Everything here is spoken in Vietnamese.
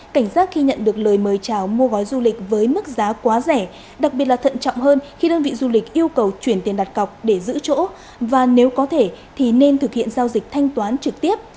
cảnh giác khi nhận được lời mời chào mua gói du lịch với mức giá quá rẻ đặc biệt là thận trọng hơn khi đơn vị du lịch yêu cầu chuyển tiền đặt cọc để giữ chỗ và nếu có thể thì nên thực hiện giao dịch thanh toán trực tiếp